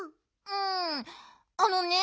うんあのね